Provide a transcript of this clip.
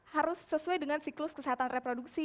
harus sesuai dengan siklus kesehatan reproduksi